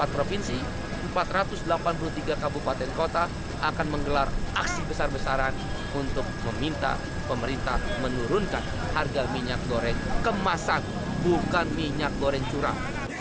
empat provinsi empat ratus delapan puluh tiga kabupaten kota akan menggelar aksi besar besaran untuk meminta pemerintah menurunkan harga minyak goreng kemasan bukan minyak goreng curah